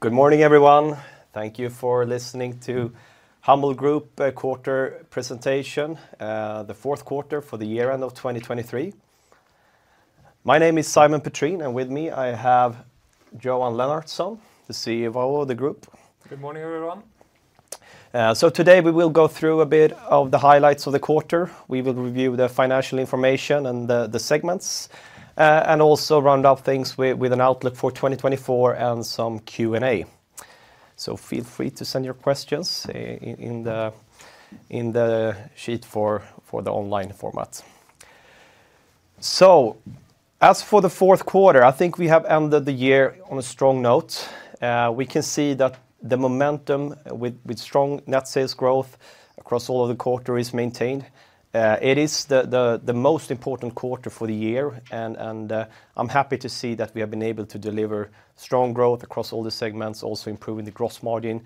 Good morning, everyone. Thank you for listening to Humble Group quarter presentation, the fourth quarter for the year-end of 2023. My name is Simon Petrén, and with me I have Johan Lennartsson, the CEO of the group. Good morning, everyone. So today we will go through a bit of the highlights of the quarter. We will review the financial information and the segments, and also round off things with an outlook for 2024 and some Q&A. So feel free to send your questions in the sheet for the online format. So as for the fourth quarter, I think we have ended the year on a strong note. We can see that the momentum with strong net sales growth across all of the quarter is maintained. It is the most important quarter for the year, and I'm happy to see that we have been able to deliver strong growth across all the segments, also improving the gross margin.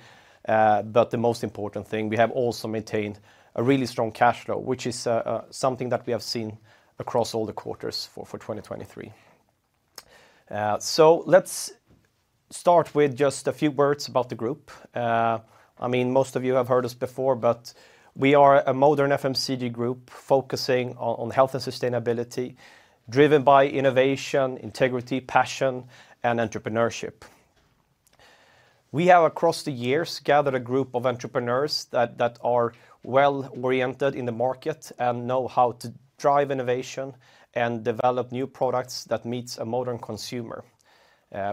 But the most important thing, we have also maintained a really strong cash flow, which is something that we have seen across all the quarters for 2023. So let's start with just a few words about the group. I mean, most of you have heard us before, but we are a modern FMCG group focusing on health and sustainability, driven by innovation, integrity, passion, and entrepreneurship. We have, across the years, gathered a group of entrepreneurs that are well-oriented in the market and know how to drive innovation and develop new products that meets a modern consumer.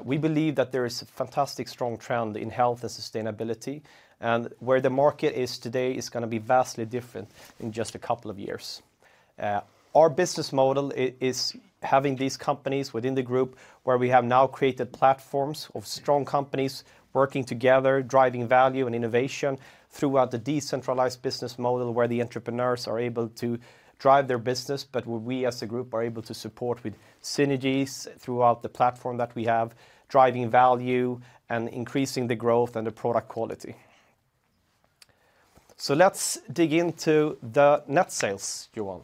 We believe that there is a fantastic strong trend in health and sustainability, and where the market is today is gonna be vastly different in just a couple of years. Our business model is having these companies within the group where we have now created platforms of strong companies working together, driving value and innovation throughout the decentralized business model, where the entrepreneurs are able to drive their business, but where we as a group are able to support with synergies throughout the platform that we have, driving value and increasing the growth and the product quality. So let's dig into the net sales, Johan.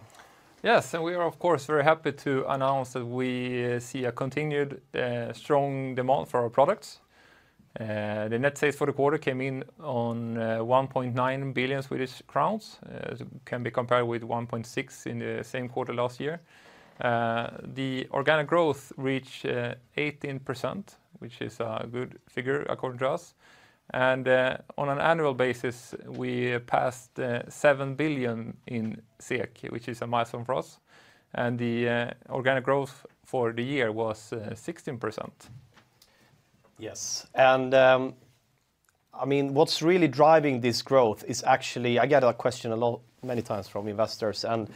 Yes, and we are of course very happy to announce that we see a continued strong demand for our products. The net sales for the quarter came in on 1.9 billion Swedish crowns, which can be compared with 1.6 billion in the same quarter last year. The organic growth reached 18%, which is a good figure according to us. And on an annual basis, we passed 7 billion, which is a milestone for us, and the organic growth for the year was 16%. Yes, and, I mean, what's really driving this growth is actually... I get that question a lot, many times from investors, and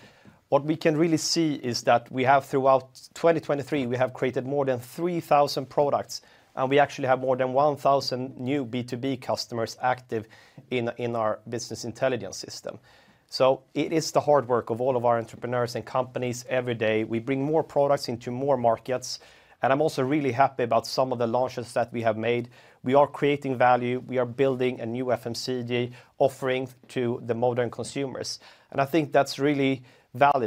what we can really see is that we have, throughout 2023, we have created more than 3,000 products, and we actually have more than 1,000 new B2B customers active in our business intelligence system. So it is the hard work of all of our entrepreneurs and companies every day. We bring more products into more markets, and I'm also really happy about some of the launches that we have made. We are creating value. We are building a new FMCG offering to the modern consumers, and I think that's really valid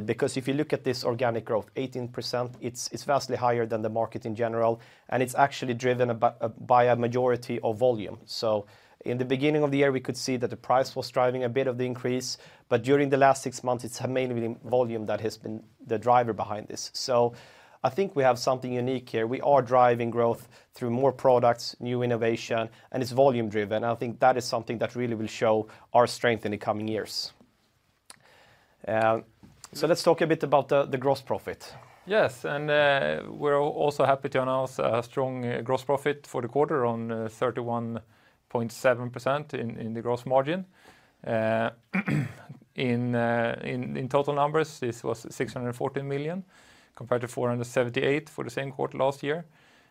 because if you look at this organic growth, 18%, it's vastly higher than the market in general, and it's actually driven by a majority of volume. So in the beginning of the year, we could see that the price was driving a bit of the increase, but during the last six months, it's mainly volume that has been the driver behind this. So I think we have something unique here. We are driving growth through more products, new innovation, and it's volume driven, and I think that is something that really will show our strength in the coming years. So let's talk a bit about the gross profit. Yes, and, we're also happy to announce a strong gross profit for the quarter on 31.7% in the gross margin. In total numbers, this was 614 million, compared to 478 million for the same quarter last year.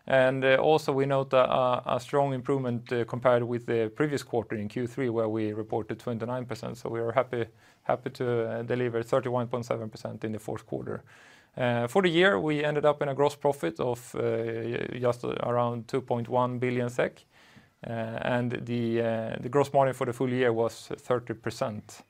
And also we note a strong improvement, compared with the previous quarter in Q3, where we reported 29%. So we are happy, happy to deliver 31.7% in the fourth quarter. For the year, we ended up in a gross profit of just around 2.1 billion SEK, and the gross margin for the full year was 30%.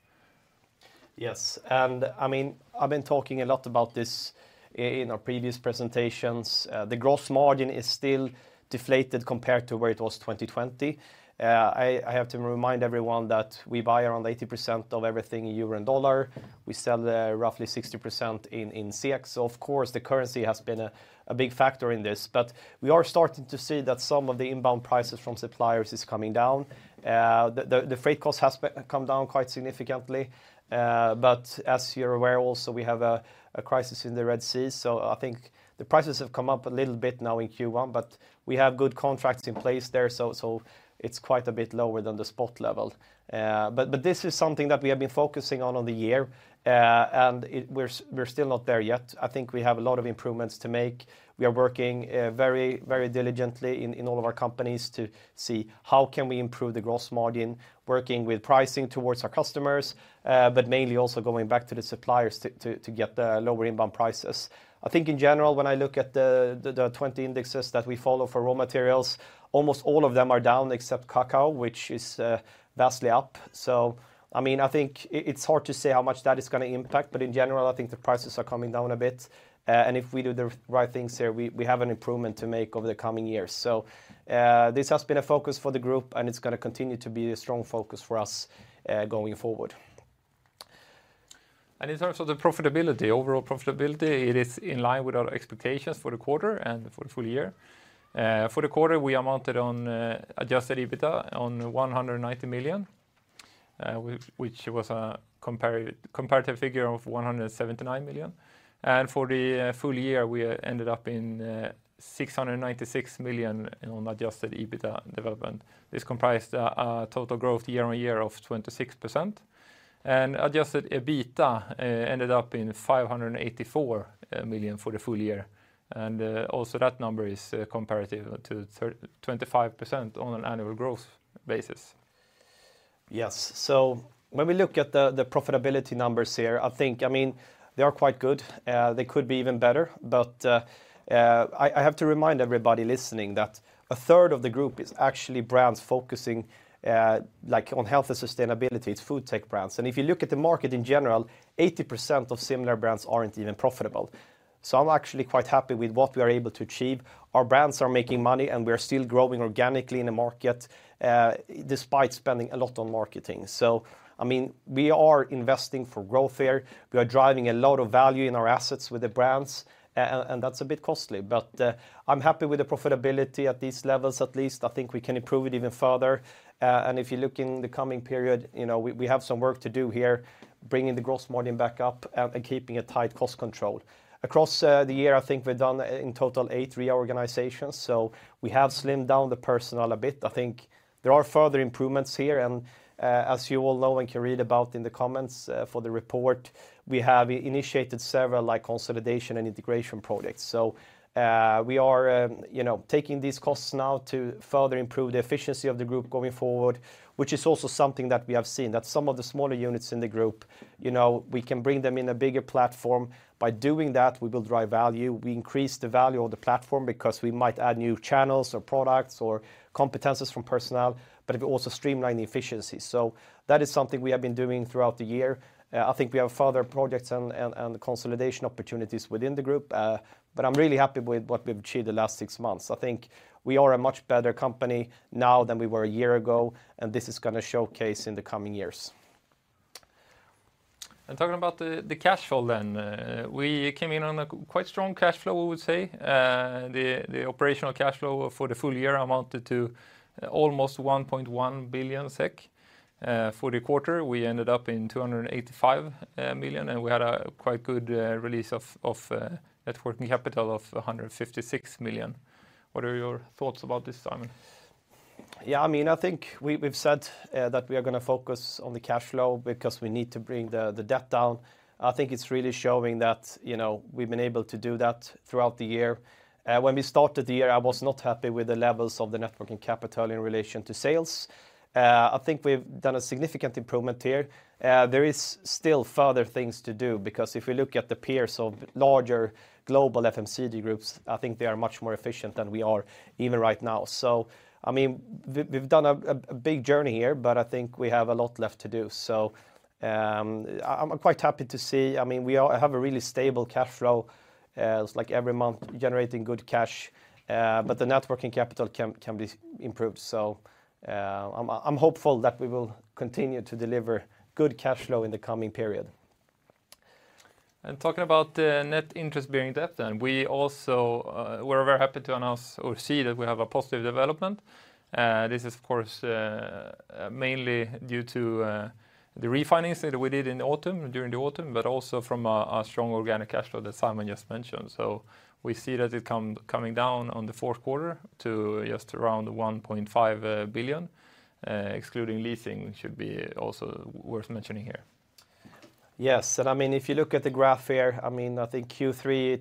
Yes, and I mean, I've been talking a lot about this in our previous presentations. The gross margin is still deflated compared to where it was 2020. I have to remind everyone that we buy around 80% of everything in euro and dollar. We sell roughly 60% in SEK, so of course, the currency has been a big factor in this. But we are starting to see that some of the inbound prices from suppliers is coming down. The freight cost has come down quite significantly, but as you're aware, also, we have a crisis in the Red Sea. So I think the prices have come up a little bit now in Q1, but we have good contracts in place there, so it's quite a bit lower than the spot level. But this is something that we have been focusing on the year, and it. We're still not there yet. I think we have a lot of improvements to make. We are working very, very diligently in all of our companies to see how can we improve the gross margin, working with pricing towards our customers, but mainly also going back to the suppliers to get the lower inbound prices. I think in general, when I look at the 20 indexes that we follow for raw materials, almost all of them are down except cacao, which is vastly up. So, I mean, I think it, it's hard to say how much that is gonna impact, but in general, I think the prices are coming down a bit. If we do the right things here, we have an improvement to make over the coming years. So, this has been a focus for the group, and it's gonna continue to be a strong focus for us, going forward.... And in terms of the profitability, overall profitability, it is in line with our expectations for the quarter and for the full year. For the quarter, we amounted on adjusted EBITDA of 190 million, which was a comparative figure of 179 million. And for the full year, we ended up in 696 million on adjusted EBITDA development. This comprised a total growth year on year of 26%. And adjusted EBITDA ended up in 584 million for the full year, and also that number is comparative to 25% on an annual growth basis. Yes. So when we look at the profitability numbers here, I think, I mean, they are quite good. They could be even better, but, I have to remind everybody listening that a third of the group is actually brands focusing, like on health and sustainability. It's food tech brands. And if you look at the market in general, 80% of similar brands aren't even profitable. So I'm actually quite happy with what we are able to achieve. Our brands are making money, and we are still growing organically in the market, despite spending a lot on marketing. So, I mean, we are investing for growth here. We are driving a lot of value in our assets with the brands, and that's a bit costly, but, I'm happy with the profitability at these levels at least. I think we can improve it even further. And if you look in the coming period, you know, we have some work to do here, bringing the gross margin back up and keeping a tight cost control. Across the year, I think we've done in total 8 reorganizations, so we have slimmed down the personnel a bit. I think there are further improvements here, and as you all know and can read about in the comments for the report, we have initiated several like consolidation and integration projects. So, we are, you know, taking these costs now to further improve the efficiency of the group going forward, which is also something that we have seen, that some of the smaller units in the group, you know, we can bring them in a bigger platform. By doing that, we will drive value. We increase the value of the platform because we might add new channels or products or competencies from personnel, but it will also streamline the efficiency. So that is something we have been doing throughout the year. I think we have further projects and consolidation opportunities within the group. But I'm really happy with what we've achieved the last six months. I think we are a much better company now than we were a year ago, and this is gonna showcase in the coming years. Talking about the cash flow then, we came in on a quite strong cash flow, I would say. The operational cash flow for the full year amounted to almost 1.1 billion SEK. For the quarter, we ended up in 285 million, and we had a quite good release of net working capital of 156 million. What are your thoughts about this, Simon? Yeah, I mean, I think we've said that we are gonna focus on the cash flow because we need to bring the debt down. I think it's really showing that, you know, we've been able to do that throughout the year. When we started the year, I was not happy with the levels of the net working capital in relation to sales. I think we've done a significant improvement here. There is still further things to do because if you look at the peers of larger global FMCG groups, I think they are much more efficient than we are even right now. So, I mean, we've done a big journey here, but I think we have a lot left to do. So, I'm quite happy to see... I mean, we have a really stable cash flow. It's like every month generating good cash, but the net working capital can be improved. So, I'm hopeful that we will continue to deliver good cash flow in the coming period. And talking about the net interest-bearing debt then, we also, we're very happy to announce or see that we have a positive development. This is of course, mainly due to, the refinancing that we did in the autumn, during the autumn, but also from a strong organic cash flow that Simon just mentioned. So we see that it coming down on the fourth quarter to just around 1.5 billion, excluding leasing, should be also worth mentioning here. Yes, and I mean, if you look at the graph here, I mean, I think Q3,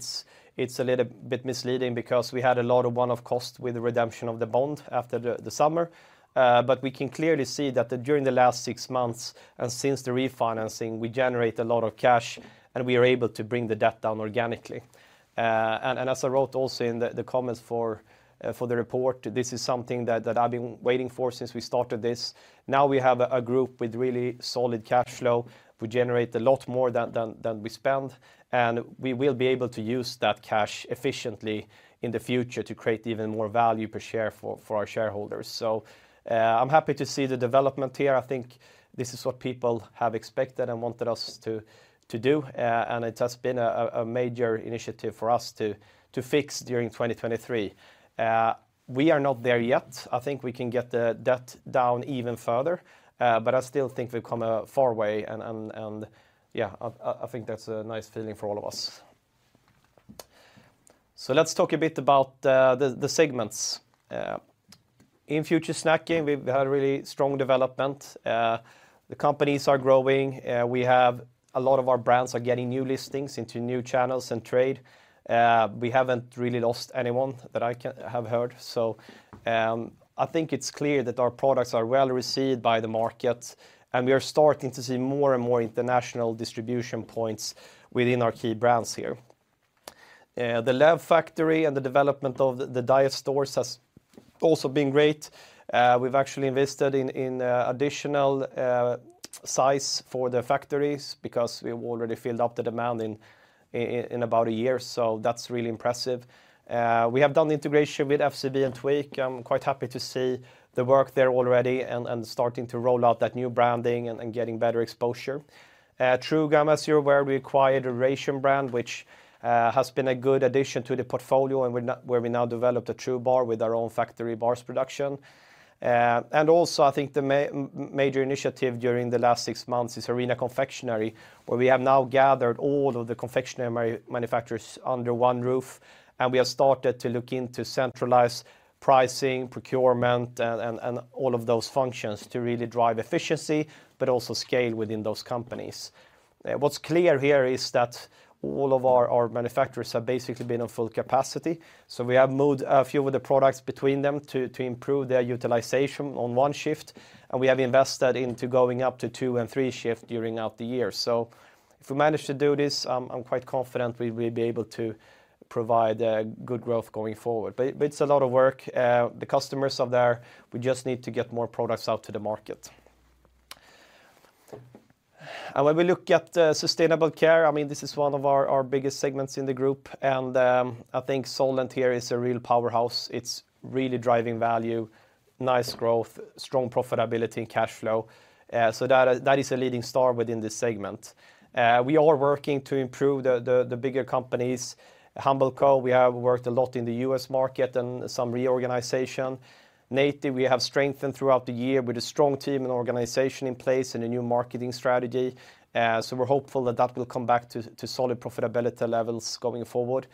it's a little bit misleading because we had a lot of one-off costs with the redemption of the bond after the summer. But we can clearly see that during the last six months and since the refinancing, we generate a lot of cash, and we are able to bring the debt down organically. And as I wrote also in the comments for the report, this is something that I've been waiting for since we started this. Now we have a group with really solid cash flow. We generate a lot more than we spend, and we will be able to use that cash efficiently in the future to create even more value per share for our shareholders. So, I'm happy to see the development here. I think this is what people have expected and wanted us to do, and it has been a major initiative for us to fix during 2023. We are not there yet. I think we can get the debt down even further, but I still think we've come a far way, and yeah, I think that's a nice feeling for all of us. So let's talk a bit about the segments. In Future Snacking, we've had a really strong development. The companies are growing, we have a lot of our brands are getting new listings into new channels and trade. We haven't really lost anyone that I can have heard. I think it's clear that our products are well-received by the market, and we are starting to see more and more international distribution points within our key brands here. The Lubs and the development of the diet stores has also been great. We've actually invested in additional size for the factories because we've already filled up the demand in about a year, so that's really impressive. We have done the integration with FCB and Tweek. I'm quite happy to see the work there already and starting to roll out that new branding and getting better exposure. True Gum where we acquired the Ration brand, which has been a good addition to the portfolio, and where we now developed a True Bar with our own factory bars production. And also, I think the major initiative during the last six months is Arena Confectionery, where we have now gathered all of the confectionery manufacturers under one roof, and we have started to look into centralized pricing, procurement, and all of those functions to really drive efficiency, but also scale within those companies. What's clear here is that all of our manufacturers have basically been on full capacity, so we have moved a few of the products between them to improve their utilization on one shift, and we have invested into going up to two and three shift during the year. So if we manage to do this, I'm quite confident we will be able to provide good growth going forward. But it's a lot of work. The customers are there. We just need to get more products out to the market. And when we look at the Sustainable Care, I mean, this is one of our biggest segments in the group, and I think Solent here is a real powerhouse. It's really driving value, nice growth, strong profitability, and cash flow. So that is a leading star within this segment. We are working to improve the bigger companies. Humble Co, we have worked a lot in the U.S. market and some reorganization. Naty, we have strengthened throughout the year with a strong team and organization in place and a new marketing strategy, so we're hopeful that that will come back to solid profitability levels going forward.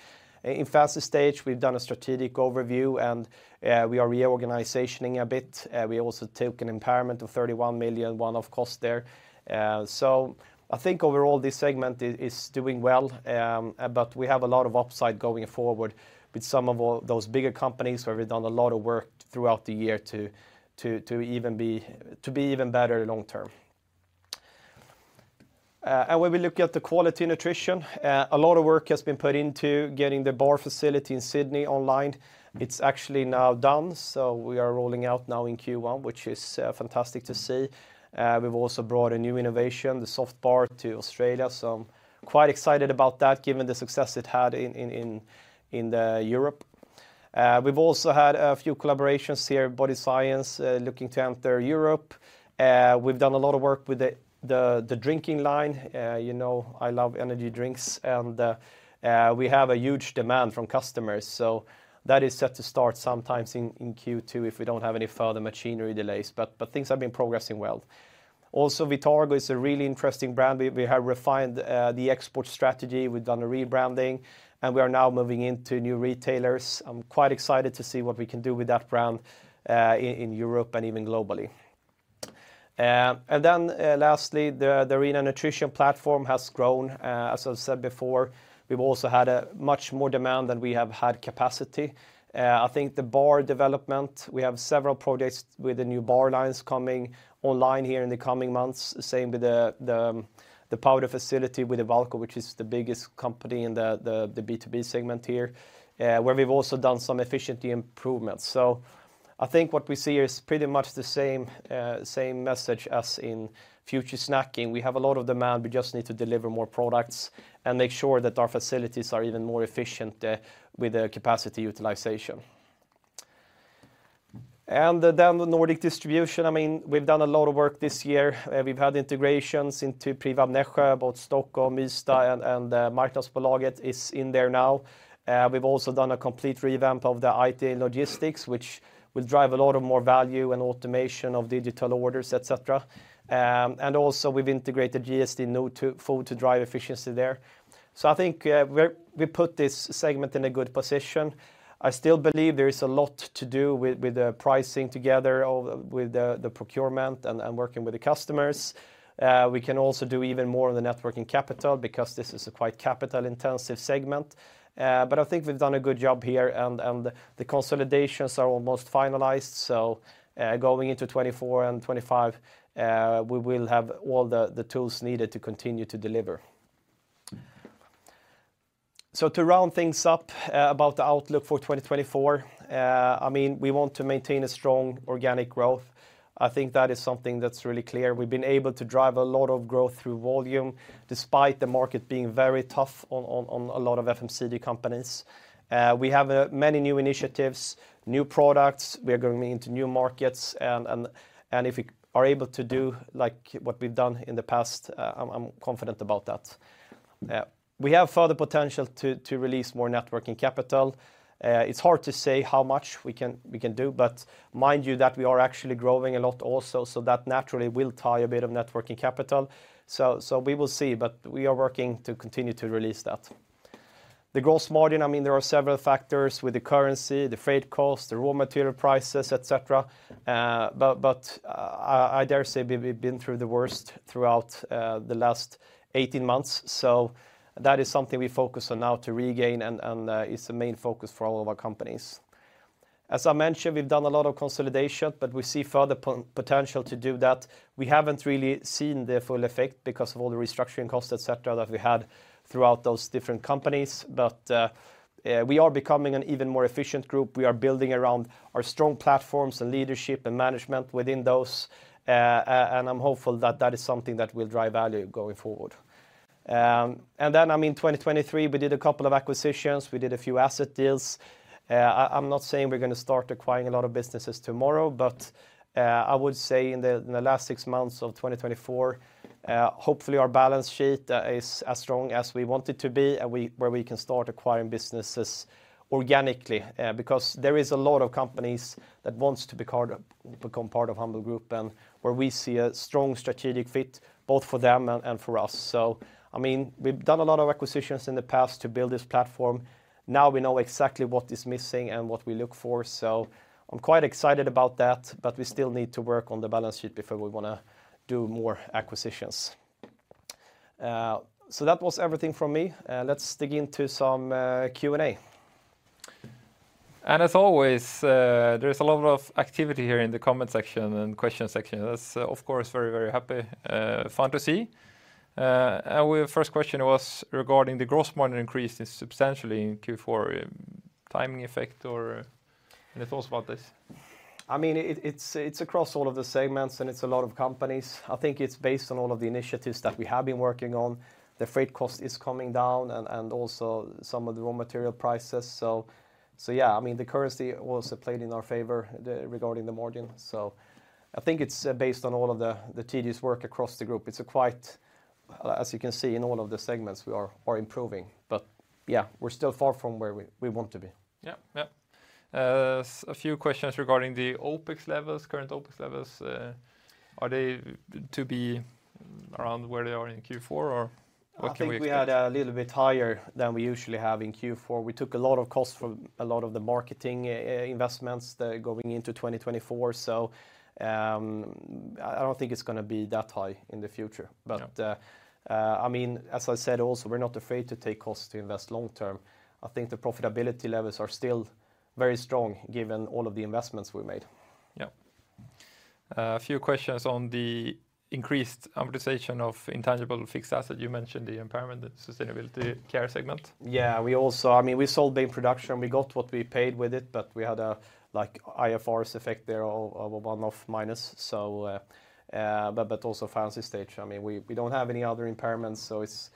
In Fancystage, we've done a strategic overview, and we are reorganizing a bit. We also took an impairment of 31 million, one-off cost there. So I think overall this segment is doing well, but we have a lot of upside going forward with some of all those bigger companies, where we've done a lot of work throughout the year to even be even better long term. And when we look at the Quality Nutrition, a lot of work has been put into getting the bar facility in Sydney online. It's actually now done, so we are rolling out now in Q1, which is fantastic to see. We've also brought a new innovation, the Soft Bar, to Australia, so I'm quite excited about that, given the success it had in Europe. We've also had a few collaborations here, Body Science, looking to enter Europe. We've done a lot of work with the drinking line. You know, I love energy drinks, and we have a huge demand from customers, so that is set to start sometimes in Q2 if we don't have any further machinery delays, but things have been progressing well. Also, Vitargo is a really interesting brand. We have refined the export strategy. We've done a rebranding, and we are now moving into new retailers. I'm quite excited to see what we can do with that brand in Europe and even globally. And then, lastly, the Arena Nutrition platform has grown. As I've said before, we've also had a much more demand than we have had capacity. I think the bar development, we have several projects with the new bar lines coming online here in the coming months. The same with the powder facility with the Ewalco, which is the biggest company in the B2B segment here, where we've also done some efficiency improvements. So I think what we see is pretty much the same message as in Future Snacking. We have a lot of demand. We just need to deliver more products and make sure that our facilities are even more efficient with the capacity utilization. And then the Nordic Distribution, I mean, we've done a lot of work this year. We've had integrations into Privab Nässjö, both Stockholm, Ystad, and Marknadsbolaget is in there now. We've also done a complete revamp of the IT and logistics, which will drive a lot of more value and automation of digital orders, et cetera. And also we've integrated GS1 node to full to drive efficiency there. So I think we're we put this segment in a good position. I still believe there is a lot to do with the pricing together, or with the procurement and working with the customers. We can also do even more on the net working capital because this is a quite capital-intensive segment. But I think we've done a good job here, and the consolidations are almost finalized, so going into 2024 and 2025, we will have all the tools needed to continue to deliver. So to round things up, about the outlook for 2024, I mean, we want to maintain a strong organic growth. I think that is something that's really clear. We've been able to drive a lot of growth through volume, despite the market being very tough on a lot of FMCG companies. We have many new initiatives, new products. We are going into new markets, and if we are able to do like what we've done in the past, I'm confident about that. We have further potential to release more Net Working Capital. It's hard to say how much we can do, but mind you, that we are actually growing a lot also, so that naturally will tie a bit of net working capital. So we will see, but we are working to continue to release that. The gross margin, I mean, there are several factors with the currency, the freight costs, the raw material prices, et cetera. But I dare say we've been through the worst throughout the last 18 months, so that is something we focus on now to regain, and it's the main focus for all of our companies. As I mentioned, we've done a lot of consolidation, but we see further potential to do that. We haven't really seen the full effect because of all the restructuring costs, et cetera, that we had throughout those different companies. But yeah, we are becoming an even more efficient group. We are building around our strong platforms, and leadership, and management within those. And I'm hopeful that that is something that will drive value going forward. And then, I mean, 2023, we did a couple of acquisitions. We did a few asset deals. I'm not saying we're gonna start acquiring a lot of businesses tomorrow, but I would say in the last six months of 2024, hopefully our balance sheet is as strong as we want it to be, and where we can start acquiring businesses organically. Because there is a lot of companies that wants to become part of Humble Group, and where we see a strong strategic fit both for them and for us. So, I mean, we've done a lot of acquisitions in the past to build this platform. Now we know exactly what is missing and what we look for, so I'm quite excited about that, but we still need to work on the balance sheet before we wanna do more acquisitions. So that was everything from me. Let's dig into some Q&A. And as always, there's a lot of activity here in the comment section and question section. That's, of course, very, very happy- fun to see. And our first question was regarding the gross margin increase is substantially in Q4. Timing effect or any thoughts about this? I mean, it's across all of the segments, and it's a lot of companies. I think it's based on all of the initiatives that we have been working on. The freight cost is coming down, and also some of the raw material prices. So yeah, I mean, the currency also played in our favor regarding the margin. So I think it's based on all of the tedious work across the group. It's quite as you can see in all of the segments, we are improving. But yeah, we're still far from where we want to be. Yeah. Yeah. A few questions regarding the OpEx levels, current OpEx levels. Are they to be around where they are in Q4, or what can we expect? I think we had a little bit higher than we usually have in Q4. We took a lot of costs from a lot of the marketing investments going into 2024. So, I don't think it's gonna be that high in the future. Yeah. I mean, as I said, also, we're not afraid to take costs to invest long term. I think the profitability levels are still very strong given all of the investments we made. Yeah. A few questions on the increased amortization of intangible fixed asset. You mentioned the impairment, the Sustainability Care segment. Yeah, we also... I mean, we sold the production. We got what we paid with it, but we had a, like, IFRS effect there of a one-off minus. So, but also Fancystage. I mean, we don't have any other impairments, so it's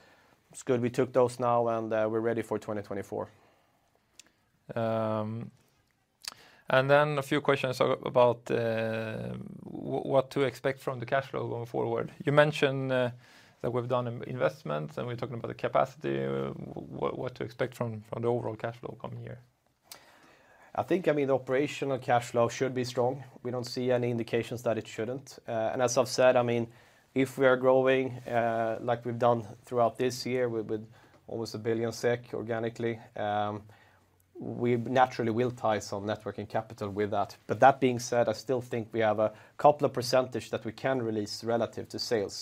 good we took those now, and we're ready for 2024. Then a few questions about what to expect from the cash flow going forward. You mentioned that we've done investments, and we're talking about the capacity. What to expect from the overall cash flow coming year? I think, I mean, the operational cash flow should be strong. We don't see any indications that it shouldn't. As I've said, I mean, if we are growing, like we've done throughout this year with almost 1 billion SEK organically, we naturally will tie some net working capital with that. But that being said, I still think we have a couple of percentage that we can release relative to sales.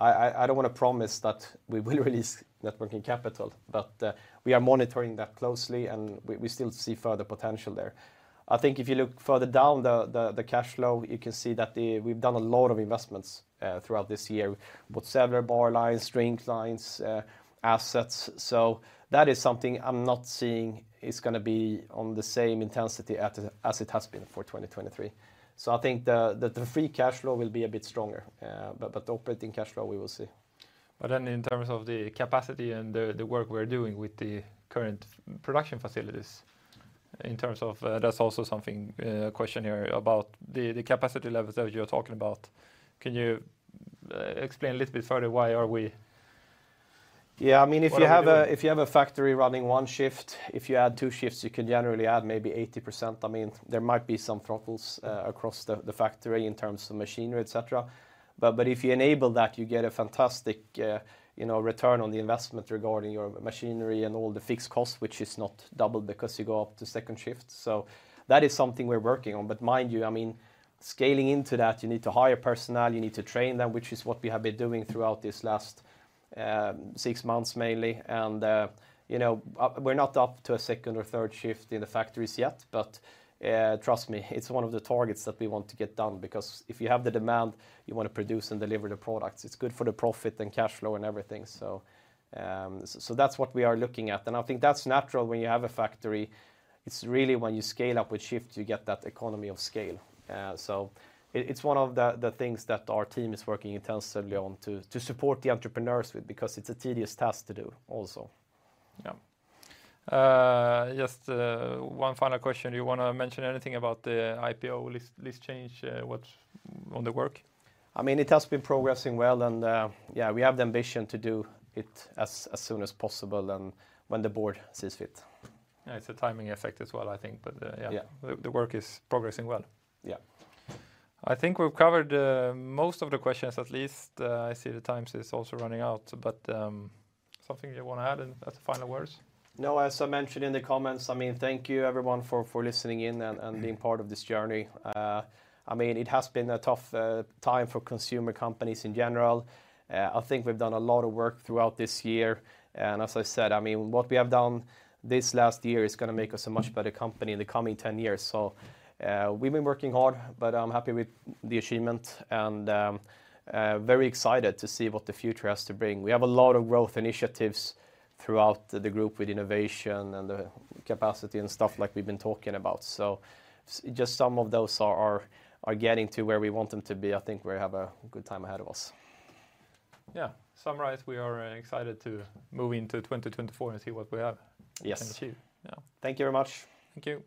So I don't want to promise that we will release net working capital, but we are monitoring that closely, and we still see further potential there. I think if you look further down the cash flow, you can see that the... We've done a lot of investments throughout this year, with several bar lines, strength lines, assets. So that is something I'm not seeing is gonna be on the same intensity as it has been for 2023. So I think the free cash flow will be a bit stronger. But operating cash flow, we will see. But then in terms of the capacity and the work we're doing with the current production facilities, in terms of... That's also something, a question here about the capacity levels that you're talking about. Can you explain a little bit further, why are we- Yeah, I mean-... What are we doing? If you have a factory running one shift, if you add two shifts, you can generally add maybe 80%. I mean, there might be some throttles across the factory in terms of machinery, et cetera. But if you enable that, you get a fantastic, you know, return on the investment regarding your machinery and all the fixed costs, which is not doubled because you go up to second shift. So that is something we're working on. But mind you, I mean, scaling into that, you need to hire personnel, you need to train them, which is what we have been doing throughout this last six months, mainly. You know, we're not up to a second or third shift in the factories yet, but trust me, it's one of the targets that we want to get done, because if you have the demand, you want to produce and deliver the products. It's good for the profit and cash flow and everything. So, that's what we are looking at, and I think that's natural when you have a factory. It's really when you scale up with shift, you get that economy of scale. So, it's one of the things that our team is working intensively on to support the entrepreneurs with, because it's a tedious task to do also. Yeah. Just one final question. Do you want to mention anything about the IPO list change? What's on the work? I mean, it has been progressing well, and yeah, we have the ambition to do it as soon as possible and when the board sees fit. Yeah, it's a timing effect as well, I think. But, yeah. Yeah. The work is progressing well. Yeah. I think we've covered most of the questions, at least. I see the time is also running out, but something you want to add as final words? No, as I mentioned in the comments, I mean, thank you, everyone, for listening in and being part of this journey. I mean, it has been a tough time for consumer companies in general. I think we've done a lot of work throughout this year. As I said, I mean, what we have done this last year is gonna make us a much better company in the coming 10 years. So, we've been working hard, but I'm happy with the achievement, and very excited to see what the future has to bring. We have a lot of growth initiatives throughout the group with innovation and the capacity and stuff like we've been talking about. So just some of those are getting to where we want them to be. I think we have a good time ahead of us. Yeah. Summarize, we are excited to move into 2024 and see what we have- Yes... can achieve. Yeah. Thank you very much. Thank you.